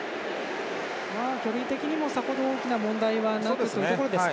距離的にもさほど大きな問題はなくというところですか。